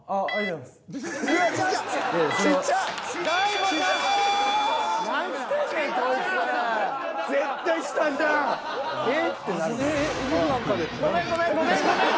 ごめんごめんごめんごめんごめん。